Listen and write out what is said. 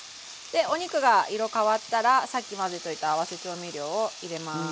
でお肉が色変わったらさっき混ぜといた合わせ調味料を入れます。